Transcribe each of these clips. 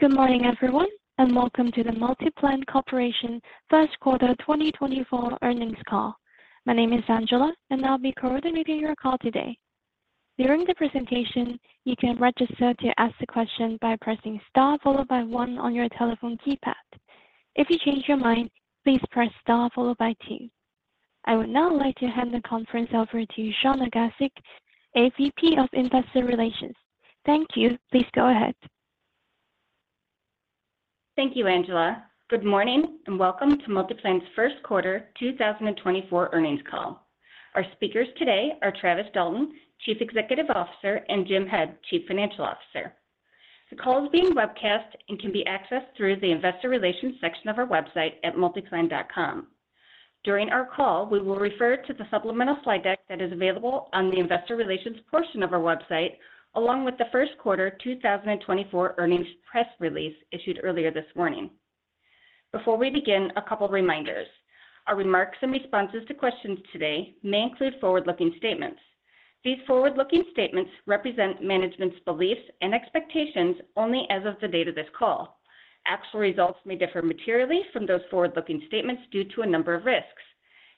Good morning, everyone, and welcome to the MultiPlan Corporation first quarter 2024 earnings call. My name is Angela, and I'll be coordinating your call today. During the presentation, you can register to ask the question by pressing star followed by one on your telephone keypad. If you change your mind, please press star followed by two. I would now like to hand the conference over to Shawna Gasik, AVP of Investor Relations. Thank you. Please go ahead. Thank you, Angela. Good morning and welcome to MultiPlan's first quarter 2024 earnings call. Our speakers today are Travis Dalton, Chief Executive Officer, and Jim Head, Chief Financial Officer. The call is being webcast and can be accessed through the Investor Relations section of our website at multiplan.com. During our call, we will refer to the supplemental slide deck that is available on the Investor Relations portion of our website, along with the first quarter 2024 earnings press release issued earlier this morning. Before we begin, a couple of reminders. Our remarks and responses to questions today may include forward-looking statements. These forward-looking statements represent management's beliefs and expectations only as of the date of this call. Actual results may differ materially from those forward-looking statements due to a number of risks.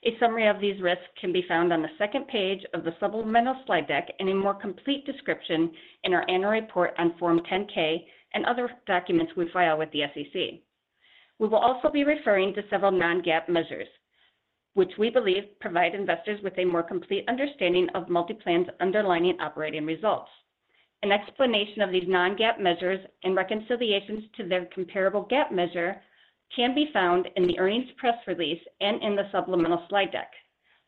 A summary of these risks can be found on the second page of the supplemental slide deck and a more complete description in our annual report on Form 10-K and other documents we file with the SEC. We will also be referring to several non-GAAP measures, which we believe provide investors with a more complete understanding of MultiPlan's underlying operating results. An explanation of these non-GAAP measures and reconciliations to their comparable GAAP measure can be found in the earnings press release and in the supplemental slide deck.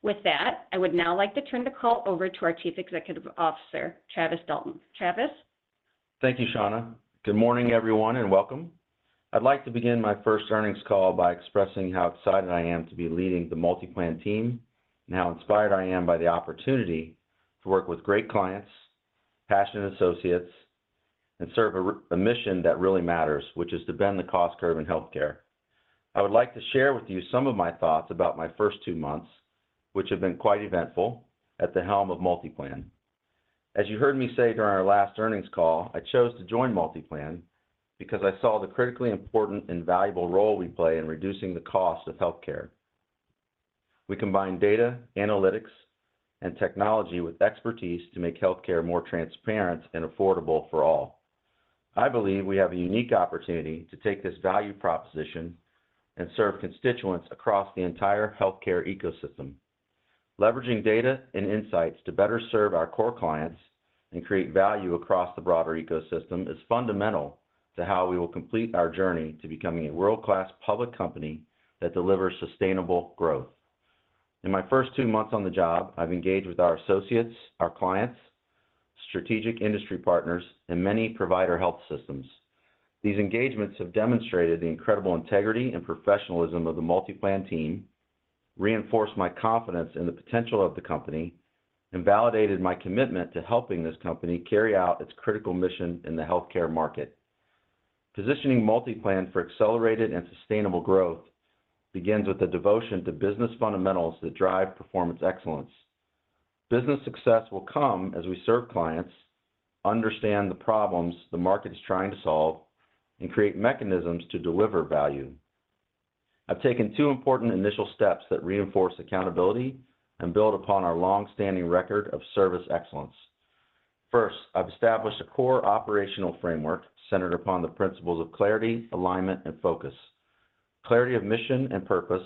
With that, I would now like to turn the call over to our Chief Executive Officer, Travis Dalton. Travis? Thank you, Shawna. Good morning, everyone, and welcome. I'd like to begin my first earnings call by expressing how excited I am to be leading the MultiPlan team and how inspired I am by the opportunity to work with great clients, passionate associates, and serve a mission that really matters, which is to bend the cost curve in healthcare. I would like to share with you some of my thoughts about my first two months, which have been quite eventful, at the helm of MultiPlan. As you heard me say during our last earnings call, I chose to join MultiPlan because I saw the critically important and valuable role we play in reducing the cost of healthcare. We combine data, analytics, and technology with expertise to make healthcare more transparent and affordable for all. I believe we have a unique opportunity to take this value proposition and serve constituents across the entire healthcare ecosystem. Leveraging data and insights to better serve our core clients and create value across the broader ecosystem is fundamental to how we will complete our journey to becoming a world-class public company that delivers sustainable growth. In my first two months on the job, I've engaged with our associates, our clients, strategic industry partners, and many provider health systems. These engagements have demonstrated the incredible integrity and professionalism of the MultiPlan team, reinforced my confidence in the potential of the company, and validated my commitment to helping this company carry out its critical mission in the healthcare market. Positioning MultiPlan for accelerated and sustainable growth begins with a devotion to business fundamentals that drive performance excellence. Business success will come as we serve clients, understand the problems the market is trying to solve, and create mechanisms to deliver value. I've taken two important initial steps that reinforce accountability and build upon our longstanding record of service excellence. First, I've established a core operational framework centered upon the principles of clarity, alignment, and focus: clarity of mission and purpose,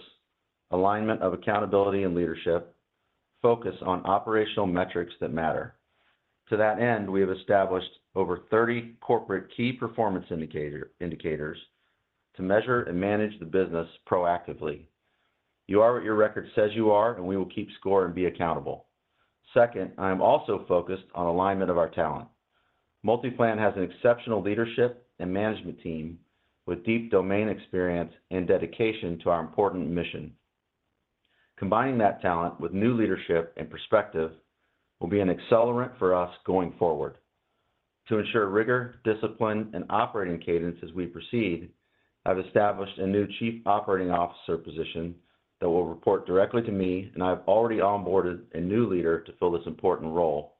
alignment of accountability and leadership, focus on operational metrics that matter. To that end, we have established over 30 corporate key performance indicators to measure and manage the business proactively. You are what your record says you are, and we will keep score and be accountable. Second, I am also focused on alignment of our talent. MultiPlan has an exceptional leadership and management team with deep domain experience and dedication to our important mission. Combining that talent with new leadership and perspective will be an accelerant for us going forward. To ensure rigor, discipline, and operating cadence as we proceed, I've established a new Chief Operating Officer position that will report directly to me, and I have already onboarded a new leader to fill this important role.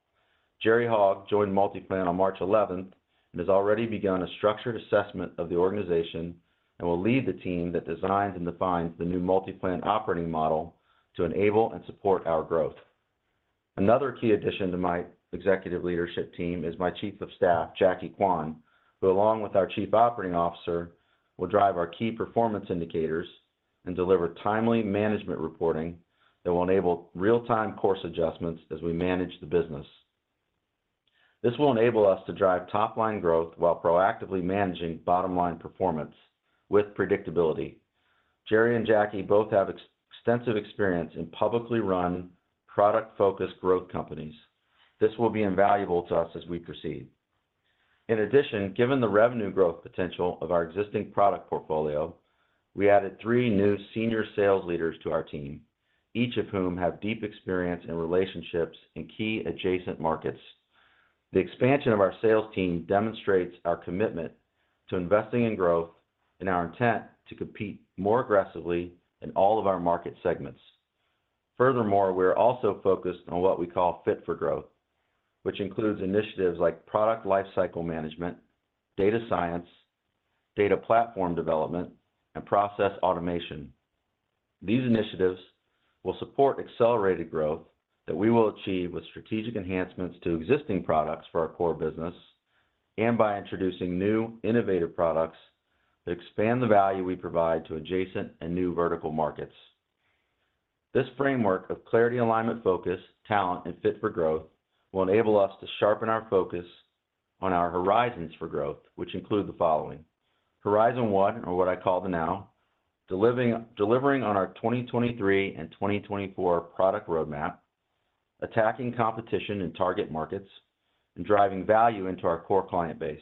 Jerry Hogge joined MultiPlan on March 11th and has already begun a structured assessment of the organization and will lead the team that designs and defines the new MultiPlan operating model to enable and support our growth. Another key addition to my executive leadership team is my Chief of Staff, Jackie Kwon, who, along with our Chief Operating Officer, will drive our key performance indicators and deliver timely management reporting that will enable real-time course adjustments as we manage the business. This will enable us to drive top-line growth while proactively managing bottom-line performance with predictability. Jerry and Jackie both have extensive experience in publicly run, product-focused growth companies. This will be invaluable to us as we proceed. In addition, given the revenue growth potential of our existing product portfolio, we added three new senior sales leaders to our team, each of whom have deep experience and relationships in key adjacent markets. The expansion of our sales team demonstrates our commitment to investing in growth and our intent to compete more aggressively in all of our market segments. Furthermore, we are also focused on what we call fit for growth, which includes initiatives like product lifecycle management, data science, data platform development, and process automation. These initiatives will support accelerated growth that we will achieve with strategic enhancements to existing products for our core business and by introducing new, innovative products that expand the value we provide to adjacent and new vertical markets. This framework of clarity, alignment, focus, talent, and fit for growth will enable us to sharpen our focus on our horizons for growth, which include the following: Horizon 1, or what I call the now, delivering on our 2023 and 2024 product roadmap, attacking competition in target markets, and driving value into our core client base.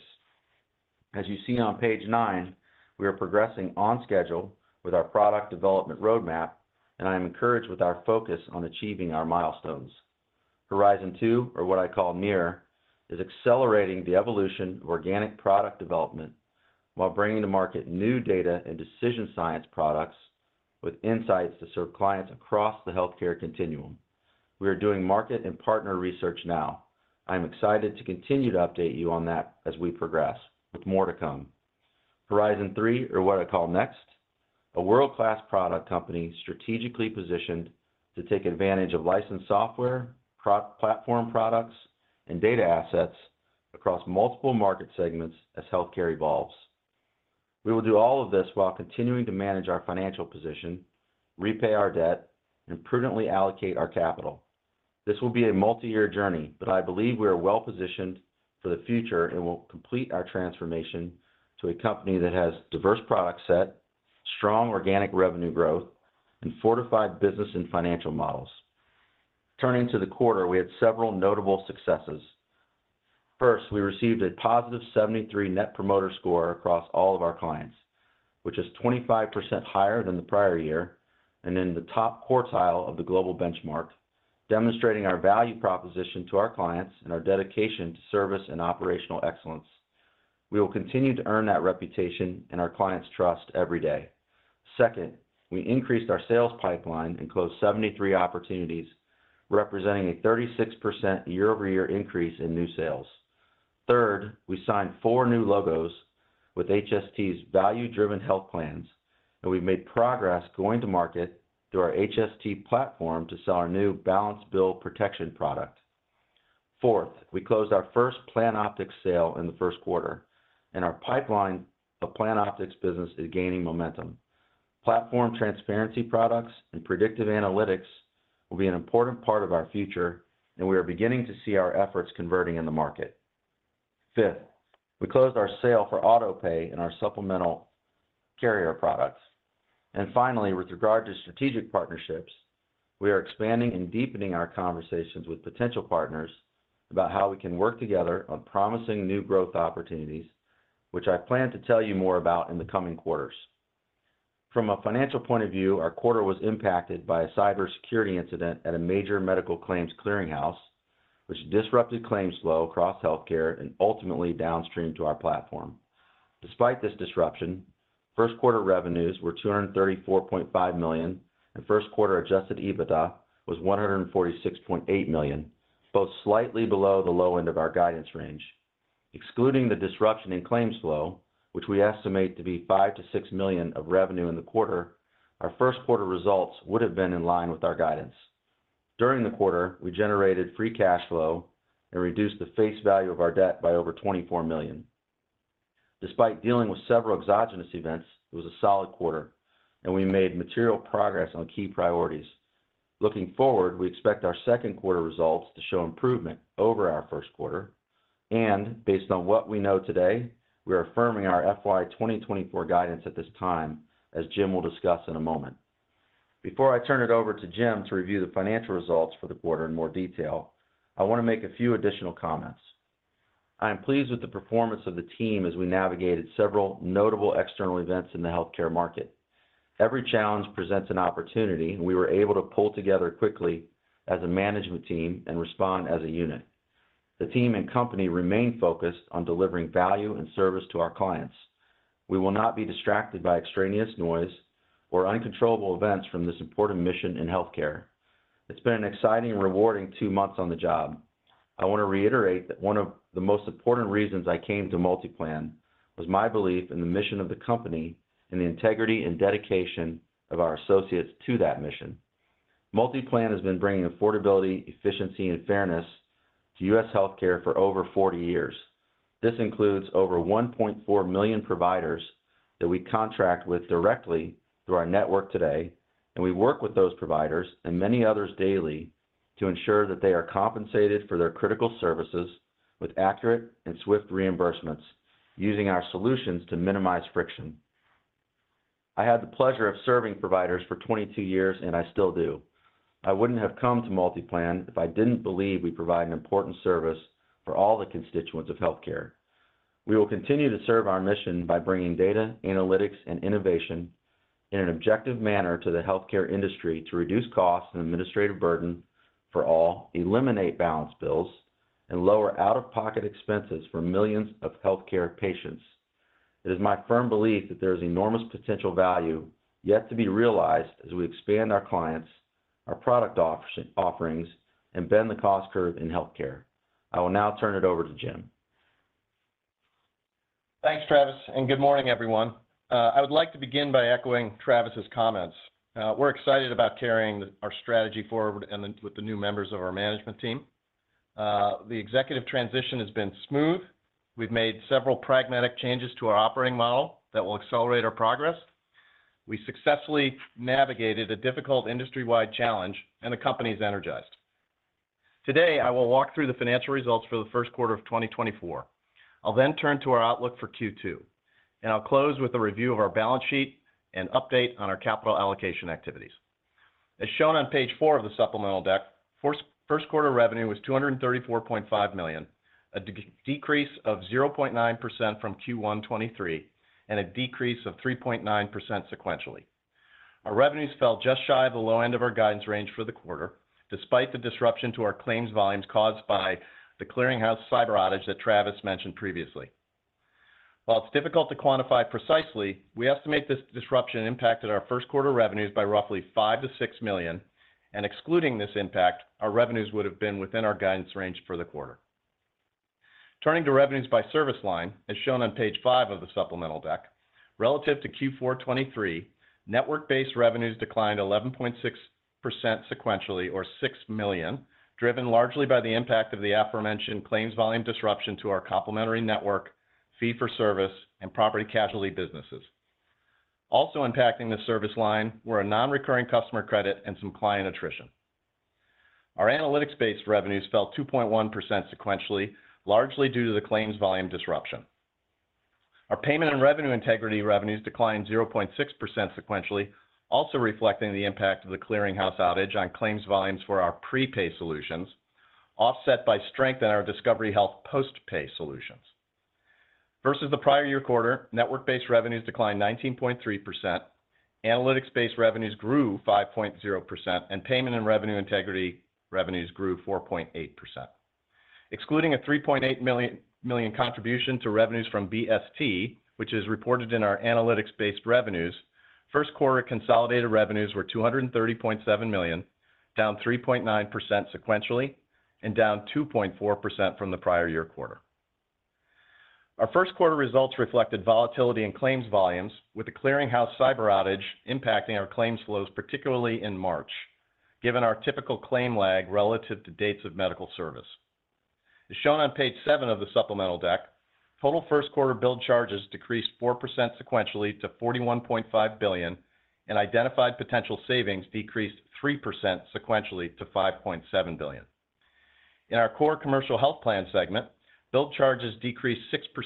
As you see on page nine, we are progressing on schedule with our product development roadmap, and I am encouraged with our focus on achieving our milestones. Horizon 2, or what I call near, is accelerating the evolution of organic product development while bringing to market new data and decision science products with insights to serve clients across the healthcare continuum. We are doing market and partner research now. I am excited to continue to update you on that as we progress with more to come. Horizon 3, or what I call next, a world-class product company strategically positioned to take advantage of licensed software, platform products, and data assets across multiple market segments as healthcare evolves. We will do all of this while continuing to manage our financial position, repay our debt, and prudently allocate our capital. This will be a multi-year journey, but I believe we are well-positioned for the future and will complete our transformation to a company that has a diverse product set, strong organic revenue growth, and fortified business and financial models. Turning to the quarter, we had several notable successes. First, we received a positive 73 Net Promoter Score across all of our clients, which is 25% higher than the prior year and in the top quartile of the global benchmark, demonstrating our value proposition to our clients and our dedication to service and operational excellence. We will continue to earn that reputation and our clients' trust every day. Second, we increased our sales pipeline and closed 73 opportunities, representing a 36% year-over-year increase in new sales. Third, we signed four new logos with HST's Value-Driven Health Plans, and we've made progress going to market through our HST platform to sell our new balanced bill protection product. Fourth, we closed our first PlanOptix sale in the first quarter, and our pipeline of PlanOptix business is gaining momentum. Platform transparency products and predictive analytics will be an important part of our future, and we are beginning to see our efforts converting in the market. Fifth, we closed our sale for AutoPay and our supplemental carrier products. Finally, with regard to strategic partnerships, we are expanding and deepening our conversations with potential partners about how we can work together on promising new growth opportunities, which I plan to tell you more about in the coming quarters. From a financial point of view, our quarter was impacted by a cybersecurity incident at a major medical claims clearinghouse, which disrupted claim flow across healthcare and ultimately downstream to our platform. Despite this disruption, first quarter revenues were $234.5 million, and first quarter adjusted EBITDA was $146.8 million, both slightly below the low end of our guidance range. Excluding the disruption in claims flow, which we estimate to be $5 million-$6 million of revenue in the quarter, our first quarter results would have been in line with our guidance. During the quarter, we generated free cash flow and reduced the face value of our debt by over $24 million. Despite dealing with several exogenous events, it was a solid quarter, and we made material progress on key priorities. Looking forward, we expect our second quarter results to show improvement over our first quarter. Based on what we know today, we are affirming our FY 2024 guidance at this time, as Jim will discuss in a moment. Before I turn it over to Jim to review the financial results for the quarter in more detail, I want to make a few additional comments. I am pleased with the performance of the team as we navigated several notable external events in the healthcare market. Every challenge presents an opportunity, and we were able to pull together quickly as a management team and respond as a unit. The team and company remain focused on delivering value and service to our clients. We will not be distracted by extraneous noise or uncontrollable events from this important mission in healthcare. It's been an exciting and rewarding two months on the job. I want to reiterate that one of the most important reasons I came to MultiPlan was my belief in the mission of the company and the integrity and dedication of our associates to that mission. MultiPlan has been bringing affordability, efficiency, and fairness to U.S. healthcare for over 40 years. This includes over 1.4 million providers that we contract with directly through our network today, and we work with those providers and many others daily to ensure that they are compensated for their critical services with accurate and swift reimbursements using our solutions to minimize friction. I had the pleasure of serving providers for 22 years, and I still do. I wouldn't have come to MultiPlan if I didn't believe we provide an important service for all the constituents of healthcare. We will continue to serve our mission by bringing data, analytics, and innovation in an objective manner to the healthcare industry to reduce costs and administrative burden for all, eliminate balanced bills, and lower out-of-pocket expenses for millions of healthcare patients. It is my firm belief that there is enormous potential value yet to be realized as we expand our clients, our product offerings, and bend the cost curve in healthcare. I will now turn it over to Jim. Thanks, Travis, and good morning, everyone. I would like to begin by echoing Travis's comments. We're excited about carrying our strategy forward with the new members of our management team. The executive transition has been smooth. We've made several pragmatic changes to our operating model that will accelerate our progress. We successfully navigated a difficult industry-wide challenge, and the company's energized. Today, I will walk through the financial results for the first quarter of 2024. I'll then turn to our outlook for Q2, and I'll close with a review of our balance sheet and update on our capital allocation activities. As shown on page four of the supplemental deck, first quarter revenue was $234.5 million, a decrease of 0.9% from Q1 2023, and a decrease of 3.9% sequentially. Our revenues fell just shy of the low end of our guidance range for the quarter despite the disruption to our claims volumes caused by the clearinghouse cyber outage that Travis mentioned previously. While it's difficult to quantify precisely, we estimate this disruption impacted our first quarter revenues by roughly $5 million-$6 million, and excluding this impact, our revenues would have been within our guidance range for the quarter. Turning to revenues by service line, as shown on page five of the supplemental deck, relative to Q4 2023, network-based revenues declined 11.6% sequentially, or $6 million, driven largely by the impact of the aforementioned claims volume disruption to our complementary network, fee-for-service, and property casualty businesses. Also impacting the service line were a non-recurring customer credit and some client attrition. Our analytics-based revenues fell 2.1% sequentially, largely due to the claims volume disruption. Our payment and revenue integrity revenues declined 0.6% sequentially, also reflecting the impact of the clearinghouse outage on claims volumes for our pre-pay solutions, offset by strength in our Discovery Health post-pay solutions. Versus the prior year quarter, network-based revenues declined 19.3%, analytics-based revenues grew 5.0%, and payment and revenue integrity revenues grew 4.8%. Excluding a $3.8 million contribution to revenues from BST, which is reported in our analytics-based revenues, first quarter consolidated revenues were $230.7 million, down 3.9% sequentially, and down 2.4% from the prior year quarter. Our first quarter results reflected volatility in claims volumes, with the clearinghouse cyber outage impacting our claims flows, particularly in March, given our typical claim lag relative to dates of medical service. As shown on page 7 of the supplemental deck, total first quarter bill charges decreased 4% sequentially to $41.5 billion, and identified potential savings decreased 3% sequentially to $5.7 billion. In our core commercial health plan segment, bill charges decreased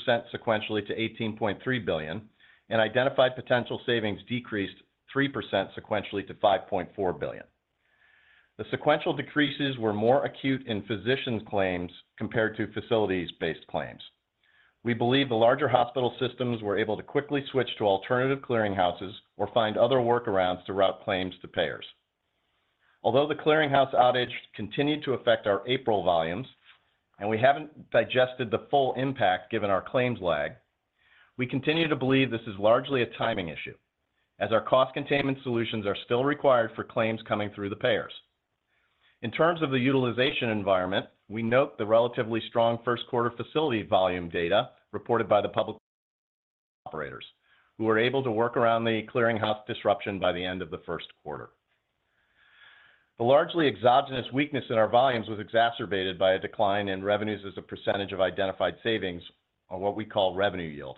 6% sequentially to $18.3 billion, and identified potential savings decreased 3% sequentially to $5.4 billion. The sequential decreases were more acute in physicians' claims compared to facilities-based claims. We believe the larger hospital systems were able to quickly switch to alternative clearinghouses or find other workarounds to route claims to payers. Although the clearinghouse outage continued to affect our April volumes, and we haven't digested the full impact given our claims lag, we continue to believe this is largely a timing issue, as our cost containment solutions are still required for claims coming through the payers. In terms of the utilization environment, we note the relatively strong first quarter facility volume data reported by the public operators, who were able to work around the clearinghouse disruption by the end of the first quarter. The largely exogenous weakness in our volumes was exacerbated by a decline in revenues as a percentage of identified savings on what we call revenue yield.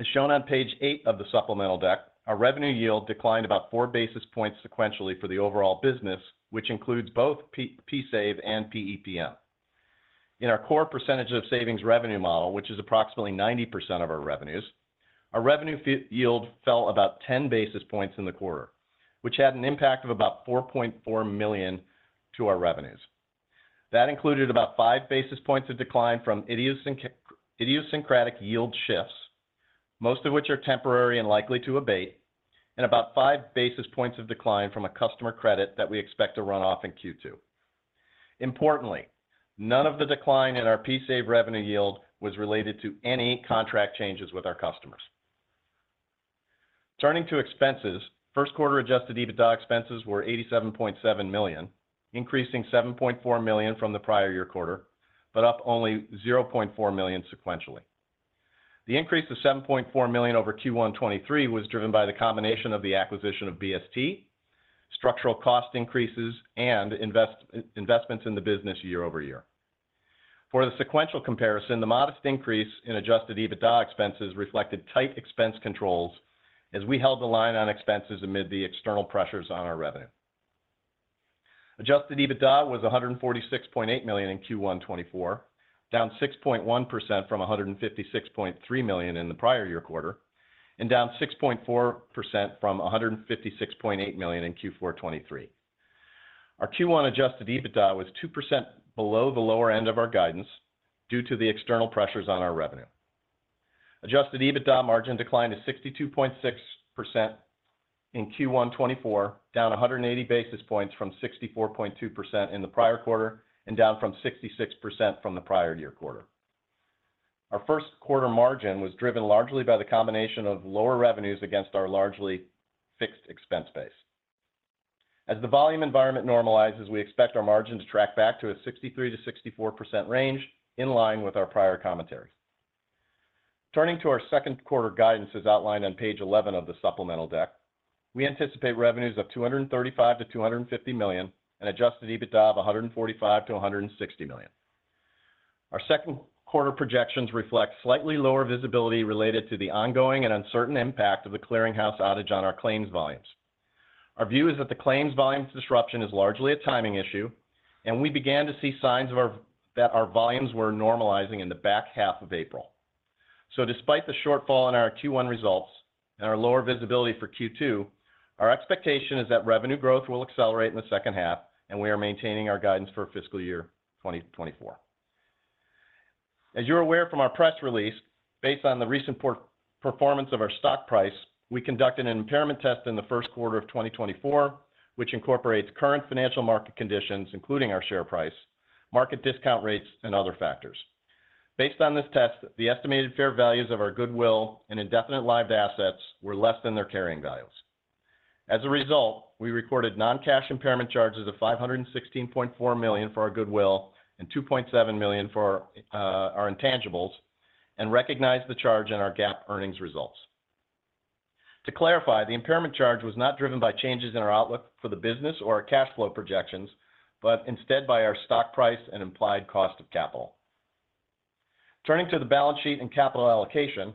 As shown on page eight of the supplemental deck, our revenue yield declined about 4 basis points sequentially for the overall business, which includes both PSAVE and PEPM. In our core percentage of savings revenue model, which is approximately 90% of our revenues, our revenue yield fell about 10 basis points in the quarter, which had an impact of about $4.4 million to our revenues. That included about 5 basis points of decline from idiosyncratic yield shifts, most of which are temporary and likely to abate, and about 5 basis points of decline from a customer credit that we expect to run off in Q2. Importantly, none of the decline in our PSAVE revenue yield was related to any contract changes with our customers. Turning to expenses, first quarter adjusted EBITDA expenses were $87.7 million, increasing $7.4 million from the prior year quarter, but up only $0.4 million sequentially. The increase to $7.4 million over Q1 2023 was driven by the combination of the acquisition of BST, structural cost increases, and investments in the business year-over-year. For the sequential comparison, the modest increase in adjusted EBITDA expenses reflected tight expense controls as we held the line on expenses amid the external pressures on our revenue. Adjusted EBITDA was $146.8 million in Q1 2024, down 6.1% from $156.3 million in the prior year quarter, and down 6.4% from $156.8 million in Q4 2023. Our Q1 adjusted EBITDA was 2% below the lower end of our guidance due to the external pressures on our revenue. Adjusted EBITDA margin declined to 62.6% in Q1 2024, down 180 basis points from 64.2% in the prior quarter and down from 66% from the prior year quarter. Our first quarter margin was driven largely by the combination of lower revenues against our largely fixed expense base. As the volume environment normalizes, we expect our margin to track back to a 63%-64% range in line with our prior commentaries. Turning to our second quarter guidance as outlined on page 11 of the supplemental deck, we anticipate revenues of $235 million-$250 million and adjusted EBITDA of $145 million-$160 million. Our second quarter projections reflect slightly lower visibility related to the ongoing and uncertain impact of the clearinghouse outage on our claims volumes. Our view is that the claims volume disruption is largely a timing issue, and we began to see signs that our volumes were normalizing in the back half of April. So despite the shortfall in our Q1 results and our lower visibility for Q2, our expectation is that revenue growth will accelerate in the second half, and we are maintaining our guidance for fiscal year 2024. As you're aware from our press release, based on the recent performance of our stock price, we conducted an impairment test in the first quarter of 2024, which incorporates current financial market conditions, including our share price, market discount rates, and other factors. Based on this test, the estimated fair values of our goodwill and indefinite lived assets were less than their carrying values. As a result, we recorded non-cash impairment charges of $516.4 million for our goodwill and $2.7 million for our intangibles, and recognized the charge in our GAAP earnings results. To clarify, the impairment charge was not driven by changes in our outlook for the business or our cash flow projections, but instead by our stock price and implied cost of capital. Turning to the balance sheet and capital allocation,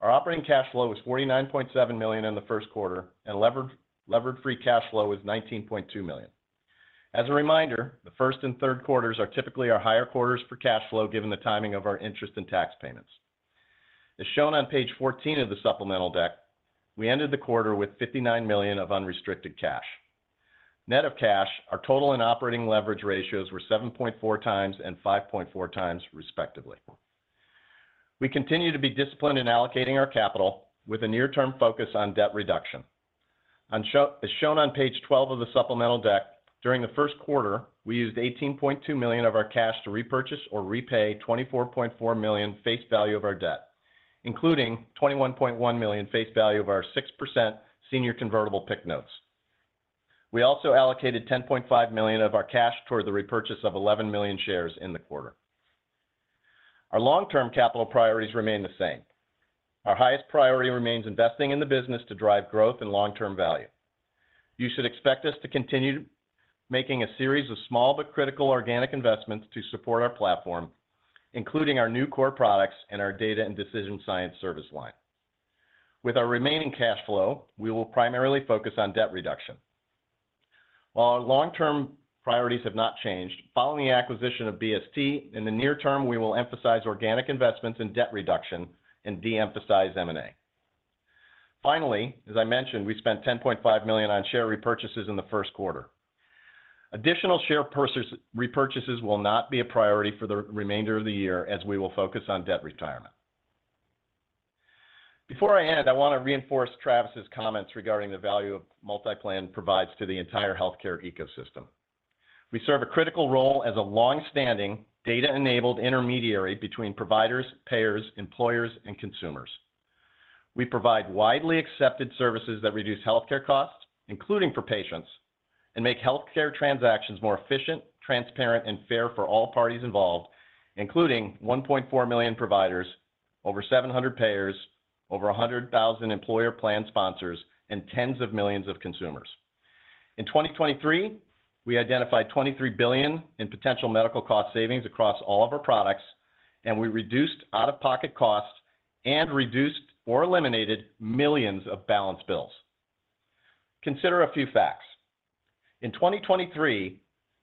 our operating cash flow was $49.7 million in the first quarter, and leverage-free cash flow was $19.2 million. As a reminder, the first and third quarters are typically our higher quarters for cash flow given the timing of our interest and tax payments. As shown on page 14 of the supplemental deck, we ended the quarter with $59 million of unrestricted cash. Net of cash, our total and operating leverage ratios were 7.4x and 5.4x, respectively. We continue to be disciplined in allocating our capital, with a near-term focus on debt reduction. As shown on page 12 of the supplemental deck, during the first quarter, we used $18.2 million of our cash to repurchase or repay $24.4 million face value of our debt, including $21.1 million face value of our 6% senior convertible PIC notes. We also allocated $10.5 million of our cash toward the repurchase of 11 million shares in the quarter. Our long-term capital priorities remain the same. Our highest priority remains investing in the business to drive growth and long-term value. You should expect us to continue making a series of small but critical organic investments to support our platform, including our new core products and our data and decision science service line. With our remaining cash flow, we will primarily focus on debt reduction. While our long-term priorities have not changed, following the acquisition of BST, in the near term, we will emphasize organic investments in debt reduction and de-emphasize M&A. Finally, as I mentioned, we spent $10.5 million on share repurchases in the first quarter. Additional share repurchases will not be a priority for the remainder of the year, as we will focus on debt retirement. Before I end, I want to reinforce Travis's comments regarding the value of MultiPlan provides to the entire healthcare ecosystem. We serve a critical role as a long-standing data-enabled intermediary between providers, payers, employers, and consumers. We provide widely accepted services that reduce healthcare costs, including for patients, and make healthcare transactions more efficient, transparent, and fair for all parties involved, including 1.4 million providers, over 700 payers, over 100,000 employer plan sponsors, and tens of millions of consumers. In 2023, we identified $23 billion in potential medical cost savings across all of our products, and we reduced out-of-pocket costs and reduced or eliminated millions of balance bills. Consider a few facts. In 2023,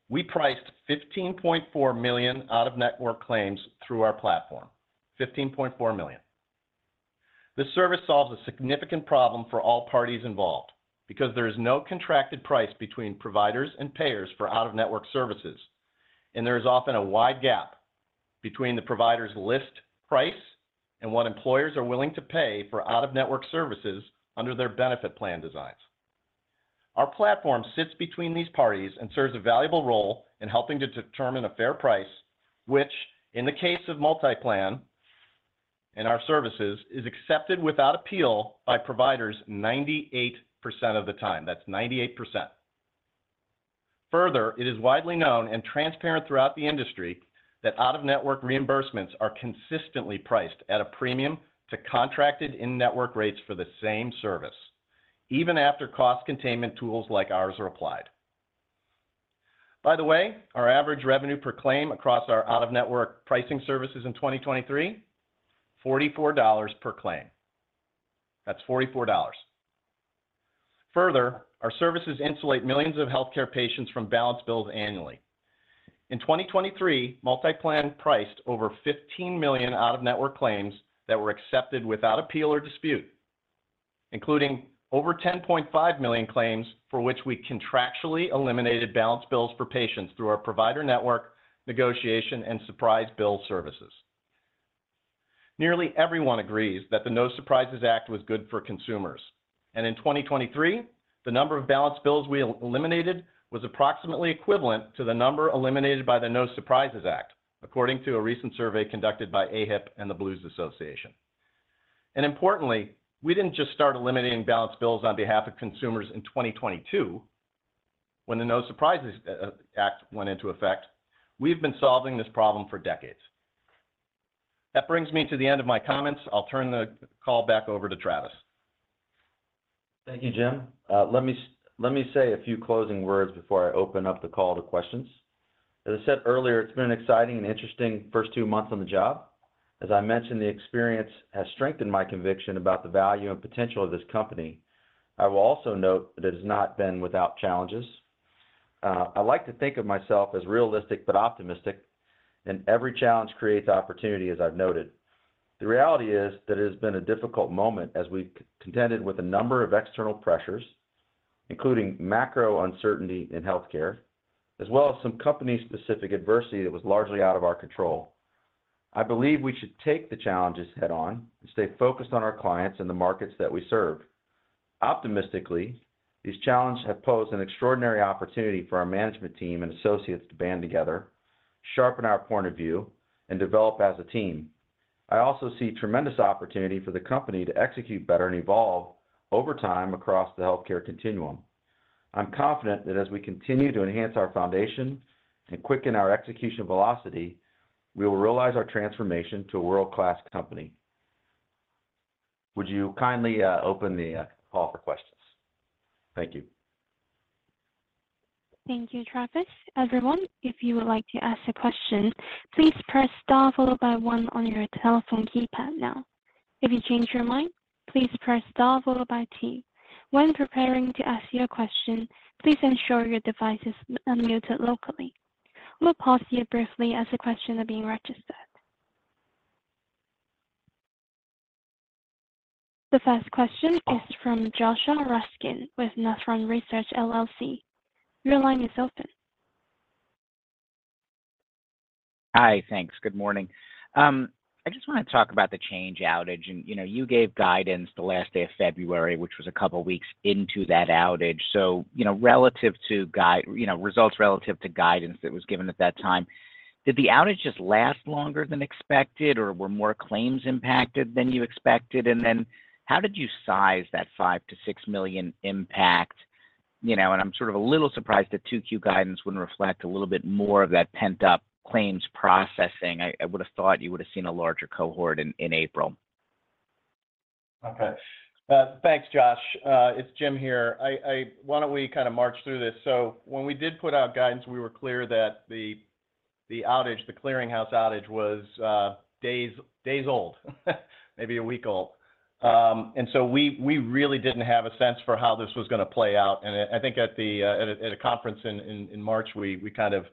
we priced 15.4 million out-of-network claims through our platform. 15.4 million. This service solves a significant problem for all parties involved because there is no contracted price between providers and payers for out-of-network services, and there is often a wide gap between the provider's list price and what employers are willing to pay for out-of-network services under their benefit plan designs. Our platform sits between these parties and serves a valuable role in helping to determine a fair price, which, in the case of MultiPlan and our services, is accepted without appeal by providers 98% of the time. That's 98%. Further, it is widely known and transparent throughout the industry that out-of-network reimbursements are consistently priced at a premium to contracted in-network rates for the same service, even after cost containment tools like ours are applied. By the way, our average revenue per claim across our out-of-network pricing services in 2023? $44 per claim. That's $44. Further, our services insulate millions of healthcare patients from balance bills annually. In 2023, MultiPlan priced over 15 million out-of-network claims that were accepted without appeal or dispute, including over 10.5 million claims for which we contractually eliminated balance bills for patients through our provider network negotiation and surprise bill services. Nearly everyone agrees that the No Surprises Act was good for consumers, and in 2023, the number of balance bills we eliminated was approximately equivalent to the number eliminated by the No Surprises Act, according to a recent survey conducted by AHIP and the Blues Association. And importantly, we didn't just start eliminating balance bills on behalf of consumers in 2022 when the No Surprises Act went into effect. We've been solving this problem for decades. That brings me to the end of my comments. I'll turn the call back over to Travis. Thank you, Jim. Let me say a few closing words before I open up the call to questions. As I said earlier, it's been an exciting and interesting first two months on the job. As I mentioned, the experience has strengthened my conviction about the value and potential of this company. I will also note that it has not been without challenges. I like to think of myself as realistic but optimistic, and every challenge creates opportunity, as I've noted. The reality is that it has been a difficult moment as we've contended with a number of external pressures, including macro uncertainty in healthcare, as well as some company-specific adversity that was largely out of our control. I believe we should take the challenges head-on and stay focused on our clients and the markets that we serve. Optimistically, these challenges have posed an extraordinary opportunity for our management team and associates to band together, sharpen our point of view, and develop as a team. I also see tremendous opportunity for the company to execute better and evolve over time across the healthcare continuum. I'm confident that as we continue to enhance our foundation and quicken our execution velocity, we will realize our transformation to a world-class company. Would you kindly open the call for questions? Thank you. Thank you, Travis. Everyone, if you would like to ask a question, please press star followed by one on your telephone keypad now. If you change your mind, please press star followed by T. When preparing to ask your question, please ensure your device is unmuted locally. We'll pause here briefly as the questions are being registered. The first question is from Joshua Raskin with Nephron Research, LLC. Your line is open. Hi. Thanks. Good morning. I just want to talk about the Change outage. And you gave guidance the last day of February, which was a couple of weeks into that outage. So results relative to guidance that was given at that time, did the outage just last longer than expected, or were more claims impacted than you expected? And then how did you size that $5 million-$6 million impact? And I'm sort of a little surprised that 2Q guidance wouldn't reflect a little bit more of that pent-up claims processing. I would have thought you would have seen a larger cohort in April. Okay. Thanks, Josh. It's Jim here. Why don't we kind of march through this? So when we did put out guidance, we were clear that the outage, the clearinghouse outage, was days old, maybe a week old. And so we really didn't have a sense for how this was going to play out. And I think at a conference in March, we kind of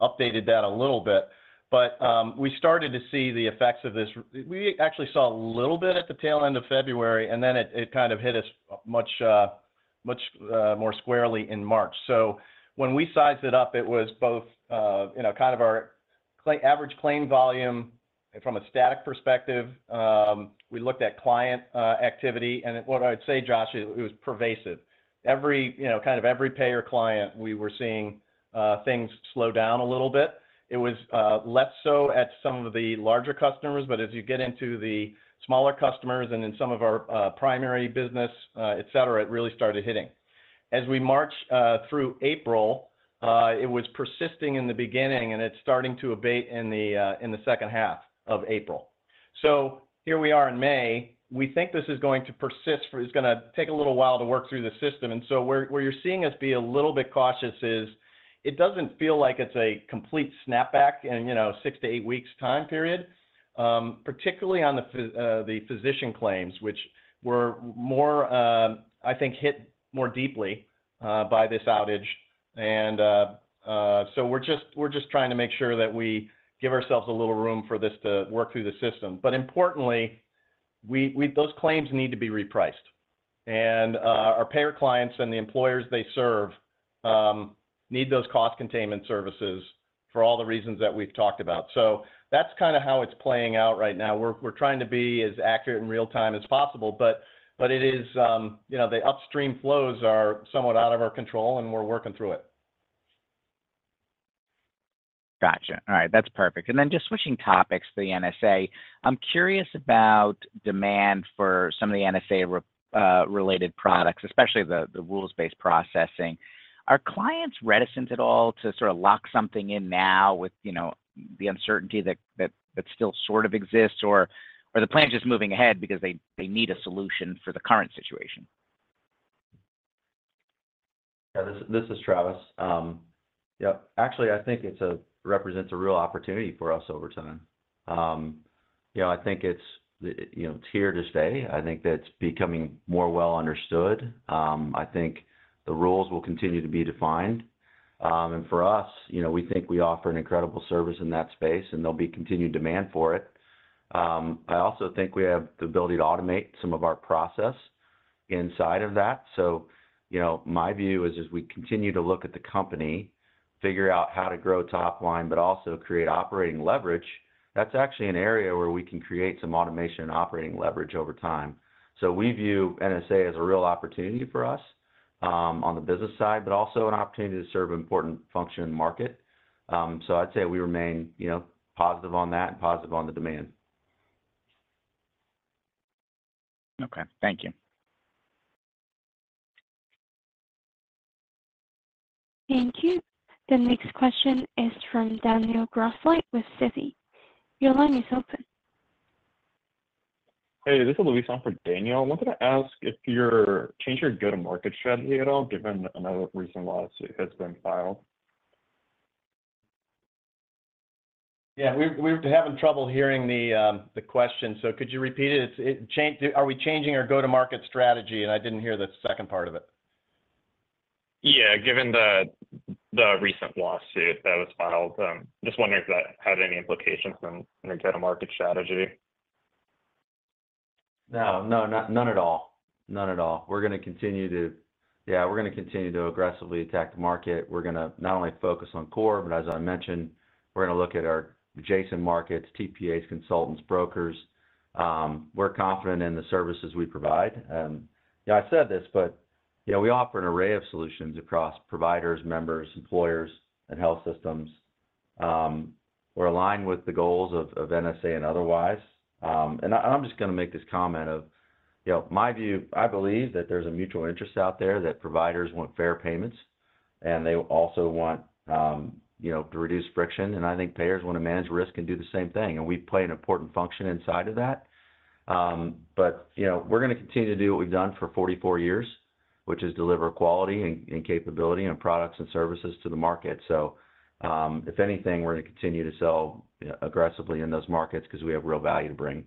updated that a little bit. But we started to see the effects of this. We actually saw a little bit at the tail end of February, and then it kind of hit us much more squarely in March. So when we sized it up, it was both kind of our average claim volume from a static perspective. We looked at client activity. And what I would say, Josh, it was pervasive. Kind of every payer client, we were seeing things slow down a little bit. It was less so at some of the larger customers. But as you get into the smaller customers and in some of our primary business, etc., it really started hitting. As we marched through April, it was persisting in the beginning, and it's starting to abate in the second half of April. So here we are in May. We think this is going to persist. It's going to take a little while to work through the system. And so where you're seeing us be a little bit cautious is it doesn't feel like it's a complete snapback in a 6-8 weeks' time period, particularly on the physician claims, which were more, I think, hit more deeply by this outage. And so we're just trying to make sure that we give ourselves a little room for this to work through the system. But importantly, those claims need to be repriced. And our payer clients and the employers they serve need those cost containment services for all the reasons that we've talked about. So that's kind of how it's playing out right now. We're trying to be as accurate and real-time as possible, but it is the upstream flows are somewhat out of our control, and we're working through it. Gotcha. All right. That's perfect. Then just switching topics to the NSA, I'm curious about demand for some of the NSA-related products, especially the rules-based processing. Are clients reticent at all to sort of lock something in now with the uncertainty that still sort of exists, or are the plans just moving ahead because they need a solution for the current situation? Yeah. This is Travis. Yeah. Actually, I think it represents a real opportunity for us over time. I think it's here to stay. I think that it's becoming more well understood. I think the rules will continue to be defined. And for us, we think we offer an incredible service in that space, and there'll be continued demand for it. I also think we have the ability to automate some of our process inside of that. So my view is, as we continue to look at the company, figure out how to grow topline, but also create operating leverage, that's actually an area where we can create some automation and operating leverage over time. So we view NSA as a real opportunity for us on the business side, but also an opportunity to serve an important function in the market. So I'd say we remain positive on that and positive on the demand. Okay. Thank you. Thank you. The next question is from Daniel Grosslight with Citigroup. Your line is open. Hey. This is Luis on for Daniel. I wanted to ask if you're changing your go-to-market strategy at all, given another recent lawsuit that has been filed. Yeah. We're having trouble hearing the question. So could you repeat it? Are we changing our go-to-market strategy? And I didn't hear the second part of it. Yeah. Given the recent lawsuit that was filed, just wondering if that had any implications on your go-to-market strategy? No. No. None at all. None at all. We're going to continue to yeah. We're going to continue to aggressively attack the market. We're going to not only focus on core, but as I mentioned, we're going to look at our adjacent markets, TPAs, consultants, brokers. We're confident in the services we provide. I said this, but we offer an array of solutions across providers, members, employers, and health systems. We're aligned with the goals of NSA and otherwise. I'm just going to make this comment of my view, I believe that there's a mutual interest out there that providers want fair payments, and they also want to reduce friction. I think payers want to manage risk and do the same thing. We play an important function inside of that. But we're going to continue to do what we've done for 44 years, which is deliver quality and capability and products and services to the market. So if anything, we're going to continue to sell aggressively in those markets because we have real value to bring.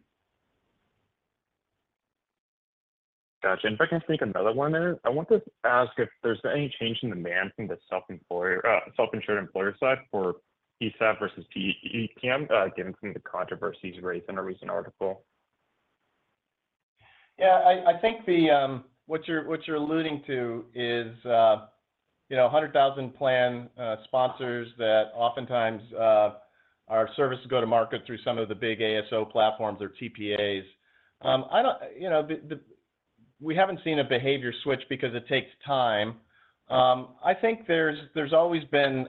Gotcha. And if I can speak another one minute, I want to ask if there's been any change in demand from the self-insured employer side for ESAB versus TEPM, given some of the controversies raised in our recent article. Yeah. I think what you're alluding to is 100,000 plan sponsors that oftentimes our services go to market through some of the big ASO platforms or TPAs. We haven't seen a behavior switch because it takes time. I think there's always been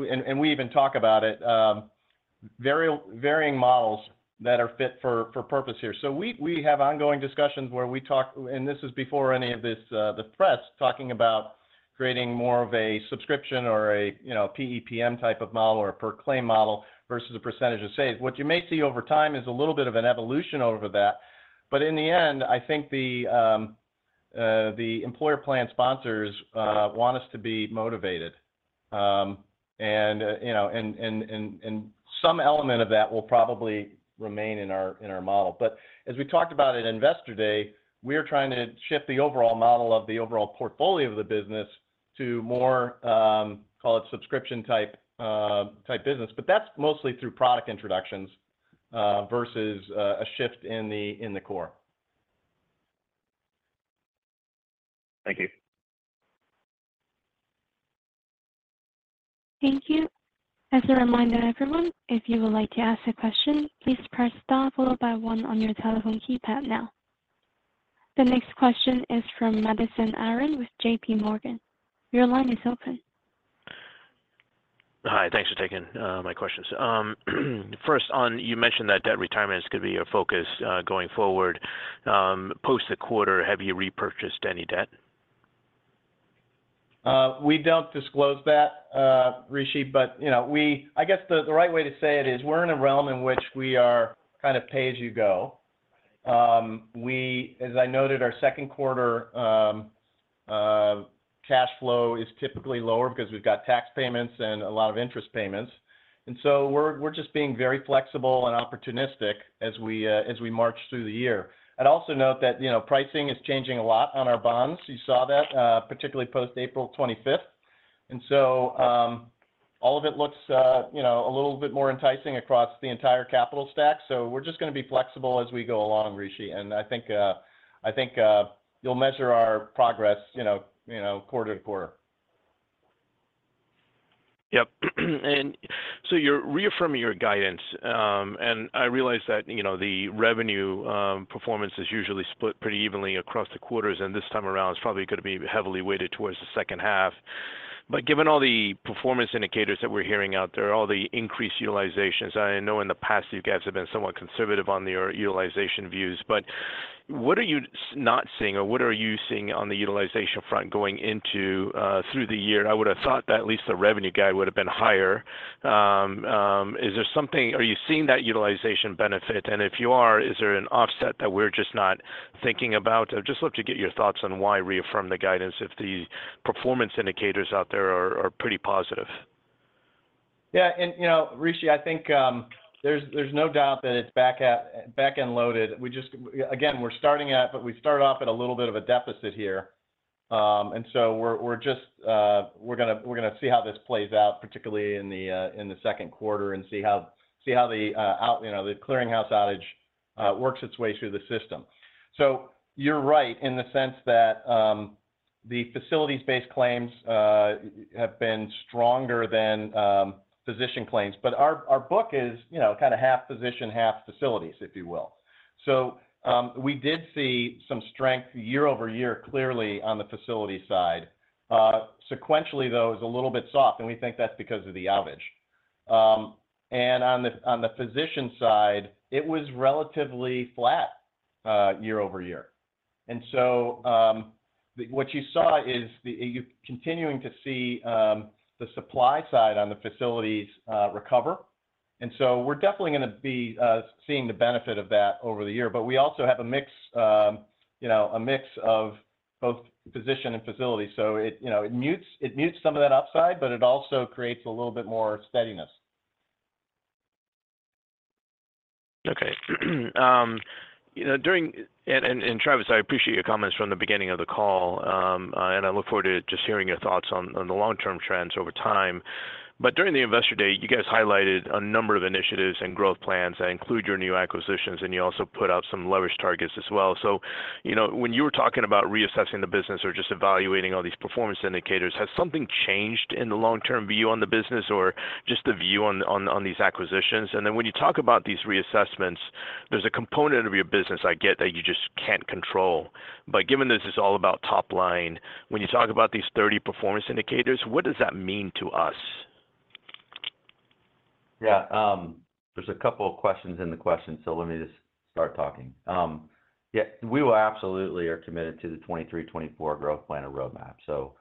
and we even talk about it, varying models that are fit for purpose here. So we have ongoing discussions where we talk and this is before any of this press talking about creating more of a subscription or a PEPM type of model or a per-claim model versus a percentage of saves. What you may see over time is a little bit of an evolution over that. But in the end, I think the employer plan sponsors want us to be motivated. And some element of that will probably remain in our model. But as we talked about it on Investor Day, we are trying to shift the overall model of the overall portfolio of the business to more, call it, subscription-type business. But that's mostly through product introductions versus a shift in the core. Thank you. Thank you. As a reminder to everyone, if you would like to ask a question, please press star followed by one on your telephone keypad now. The next question is from Madison Aron with JPMorgan. Your line is open. Hi. Thanks for taking my questions. First, you mentioned that debt retirement is going to be your focus going forward. Post the quarter, have you repurchased any debt? We don't disclose that, but I guess the right way to say it is we're in a realm in which we are kind of pay as you go. As I noted, our second quarter cash flow is typically lower because we've got tax payments and a lot of interest payments. And so we're just being very flexible and opportunistic as we march through the year. I'd also note that pricing is changing a lot on our bonds. You saw that, particularly post April 25th. And so all of it looks a little bit more enticing across the entire capital stack. So we're just going to be flexible as we go along. And I think you'll measure our progress quarter to quarter. Yep. And so you're reaffirming your guidance. And I realize that the revenue performance is usually split pretty evenly across the quarters. And this time around, it's probably going to be heavily weighted towards the second half. But given all the performance indicators that we're hearing out there, all the increased utilizations, I know in the past, you guys have been somewhat conservative on your utilization views. But what are you not seeing, or what are you seeing on the utilization front going into through the year? I would have thought that at least the revenue guy would have been higher. Is there something are you seeing that utilization benefit? And if you are, is there an offset that we're just not thinking about? I'd just love to get your thoughts on why reaffirm the guidance if the performance indicators out there are pretty positive. Yeah. And, I think there's no doubt that it's back-end loaded. Again, we're starting at but we start off at a little bit of a deficit here. And so we're going to see how this plays out, particularly in the second quarter, and see how the clearinghouse outage works its way through the system. So you're right in the sense that the facilities-based claims have been stronger than physician claims. But our book is kind of half physician, half facilities, if you will. So we did see some strength year-over-year, clearly, on the facility side. Sequentially, though, it was a little bit soft. And we think that's because of the outage. And on the physician side, it was relatively flat year-over-year. And so what you saw is you're continuing to see the supply side on the facilities recover. And so we're definitely going to be seeing the benefit of that over the year. But we also have a mix of both physician and facility. So it mutes some of that upside, but it also creates a little bit more steadiness. Okay. And Travis, I appreciate your comments from the beginning of the call. And I look forward to just hearing your thoughts on the long-term trends over time. But during the Investor Day, you guys highlighted a number of initiatives and growth plans that include your new acquisitions. And you also put out some leverage targets as well. So when you were talking about reassessing the business or just evaluating all these performance indicators, has something changed in the long-term view on the business or just the view on these acquisitions? And then when you talk about these reassessments, there's a component of your business, I get, that you just can't control. But given that this is all about topline, when you talk about these 30 performance indicators, what does that mean to us? Yeah. There's a couple of questions in the questions. So let me just start talking. Yeah. We absolutely are committed to the 2023-2024 growth plan and roadmap. So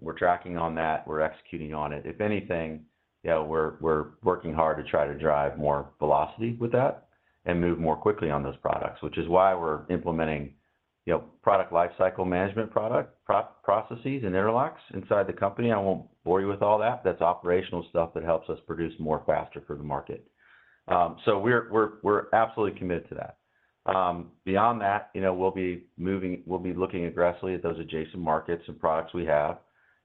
we're tracking on that. We're executing on it. If anything, we're working hard to try to drive more velocity with that and move more quickly on those products, which is why we're implementing product lifecycle management processes and interlocks inside the company. I won't bore you with all that. That's operational stuff that helps us produce more faster for the market. So we're absolutely committed to that. Beyond that, we'll be looking aggressively at those adjacent markets and products we have.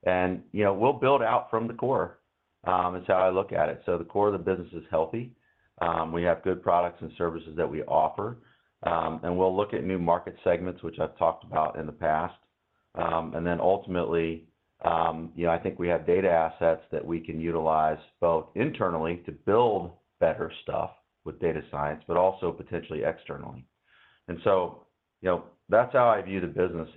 We'll build out from the core. It's how I look at it. So the core of the business is healthy. We have good products and services that we offer. We'll look at new market segments, which I've talked about in the past. Then ultimately, I think we have data assets that we can utilize both internally to build better stuff with data science, but also potentially externally. So that's how I view the business,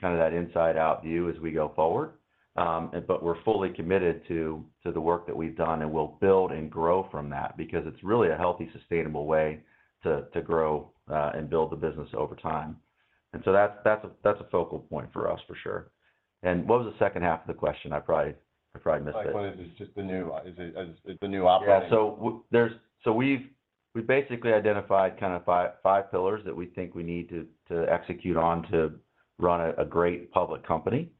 kind of that inside-out view, as we go forward. But we're fully committed to the work that we've done. We'll build and grow from that because it's really a healthy, sustainable way to grow and build the business over time. So that's a focal point for us, for sure. And what was the second half of the question? I probably missed it. I thought it was just the new—is it the new operating? Yeah. So we've basically identified kind of five pillars that we think we need to execute on to run a great public company: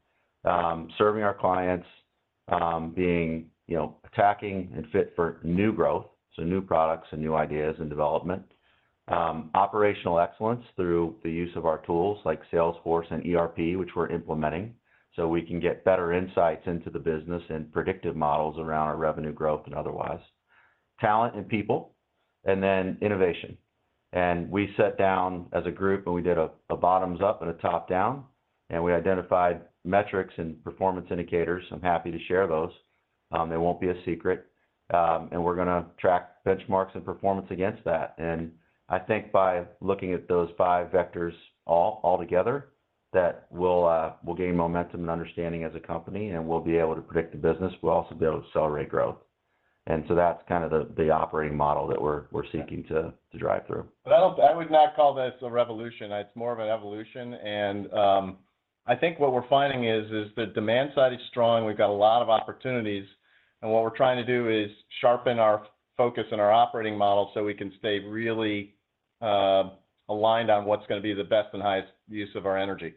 serving our clients, being attacking and fit for new growth, so new products and new ideas and development; operational excellence through the use of our tools like Salesforce and ERP, which we're implementing so we can get better insights into the business and predictive models around our revenue growth and otherwise; talent and people; and then innovation. And we sat down as a group, and we did a bottoms-up and a top-down. And we identified metrics and performance indicators. I'm happy to share those. They won't be a secret. And we're going to track benchmarks and performance against that. I think by looking at those five vectors altogether, that we'll gain momentum and understanding as a company. We'll be able to predict the business. We'll also be able to accelerate growth. So that's kind of the operating model that we're seeking to drive through. I would not call this a revolution. It's more of an evolution. I think what we're finding is the demand side is strong. We've got a lot of opportunities. What we're trying to do is sharpen our focus and our operating model so we can stay really aligned on what's going to be the best and highest use of our energy.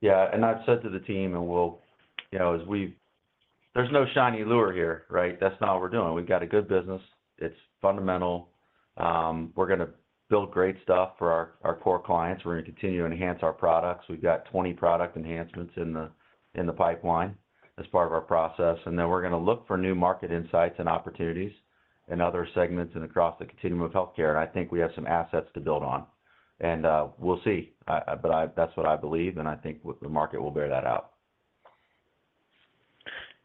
Yeah. I've said to the team, and as we've there's no shiny lure here, right? That's not what we're doing. We've got a good business. It's fundamental. We're going to build great stuff for our core clients. We're going to continue to enhance our products. We've got 20 product enhancements in the pipeline as part of our process. And then we're going to look for new market insights and opportunities in other segments and across the continuum of healthcare. And I think we have some assets to build on. And we'll see. But that's what I believe. And I think the market will bear that out.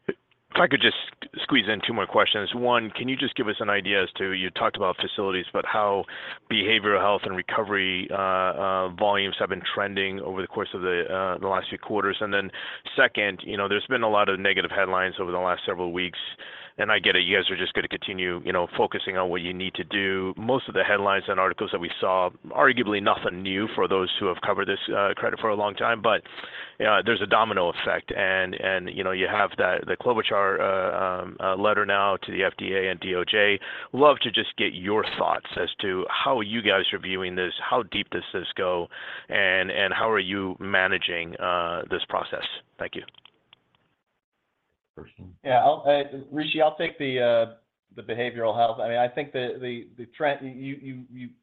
If I could just squeeze in two more questions. One, can you just give us an idea as to you talked about facilities, but how behavioral health and recovery volumes have been trending over the course of the last few quarters? And then second, there's been a lot of negative headlines over the last several weeks. And I get it. You guys are just going to continue focusing on what you need to do. Most of the headlines and articles that we saw, arguably nothing new for those who have covered this credit for a long time. But there's a domino effect. And you have the Klobuchar letter now to the FDA and DOJ. Love to just get your thoughts as to how are you guys reviewing this, how deep does this go, and how are you managing this process? Thank you. Yeah. I'll take the behavioral health. I mean, I think the trend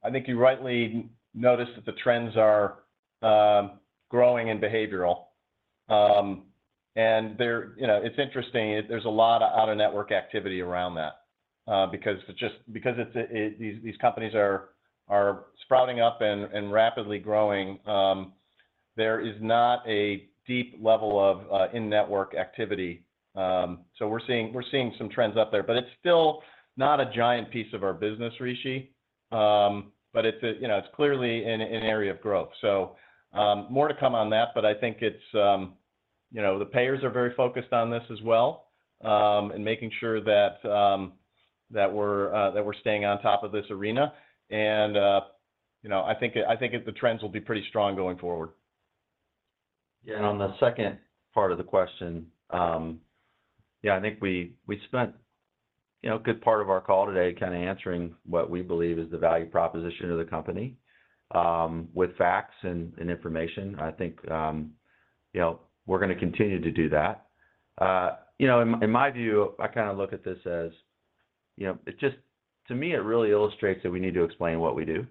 I think you rightly noticed that the trends are growing in behavioral. And it's interesting. There's a lot of out-of-network activity around that because it's just because these companies are sprouting up and rapidly growing, there is not a deep level of in-network activity. So we're seeing some trends up there. But it's still not a giant piece of our business, Rishi. But it's clearly an area of growth. So more to come on that. But I think it's the payers are very focused on this as well and making sure that we're staying on top of this arena. And I think the trends will be pretty strong going forward. Yeah. And on the second part of the question, yeah, I think we spent a good part of our call today kind of answering what we believe is the value proposition of the company with facts and information. I think we're going to continue to do that. In my view, I kind of look at this as it just to me, it really illustrates that we need to explain what we do.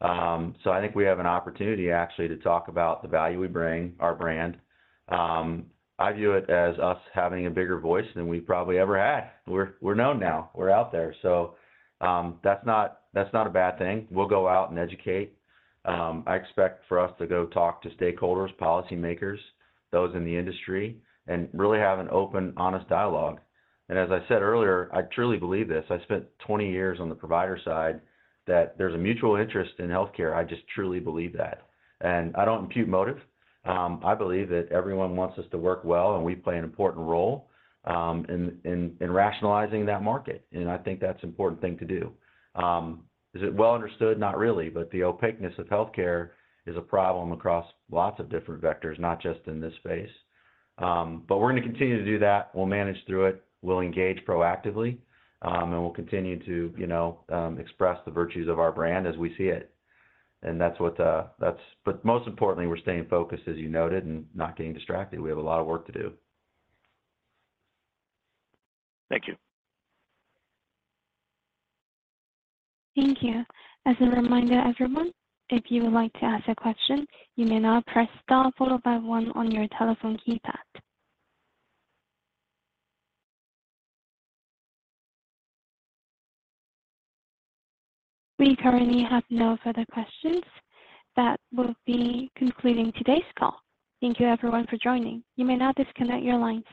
So I think we have an opportunity, actually, to talk about the value we bring, our brand. I view it as us having a bigger voice than we've probably ever had. We're known now. We're out there. So that's not a bad thing. We'll go out and educate. I expect for us to go talk to stakeholders, policymakers, those in the industry, and really have an open, honest dialogue. And as I said earlier, I truly believe this. I spent 20 years on the provider side that there's a mutual interest in healthcare. I just truly believe that. And I don't impute motive. I believe that everyone wants us to work well. And we play an important role in rationalizing that market. And I think that's an important thing to do. Is it well understood? Not really. But the opaqueness of healthcare is a problem across lots of different vectors, not just in this space. But we're going to continue to do that. We'll manage through it. We'll engage proactively. And we'll continue to express the virtues of our brand as we see it. And that's what, but most importantly, we're staying focused, as you noted, and not getting distracted. We have a lot of work to do. Thank you. Thank you. As a reminder, everyone, if you would like to ask a question, you may now press star followed by one on your telephone keypad. We currently have no further questions. That will be concluding today's call. Thank you, everyone, for joining. You may now disconnect your lines.